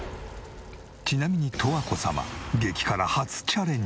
ちなみに十和子様。